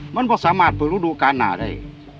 มันไม่สามารถเปลี่ยนรูปดูกาลหนาได้